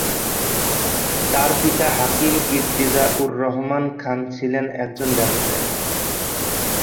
তার পিতা হাকিম ইরতিজা-উর-রহমান খান ছিলেন একজন ব্যবসায়ী।